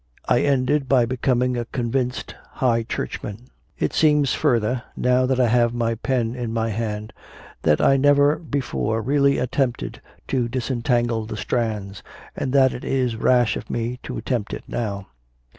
I ended by becoming a convinced High Churchman. It seems, further, now that I have my pen in my hand, that I never before really attempted to disentangle the strands, and that it is rash of me to attempt it now.